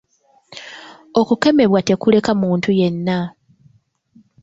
Okukemebwa tekuleka muntu yenna.